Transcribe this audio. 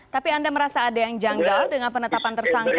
tapi anda merasa ada yang janggal dengan penetapan tersangka